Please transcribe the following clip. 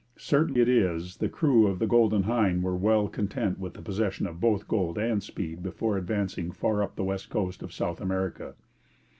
Certain it is, the crew of the Golden Hind were well content with the possession of both gold and speed before advancing far up the west coast of South America.